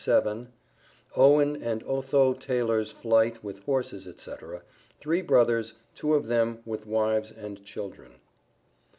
OWEN AND OTHO TAYLOR'S FLIGHT WITH HORSES, ETC. THREE BROTHERS, TWO OF THEM WITH WIVES AND CHILDREN.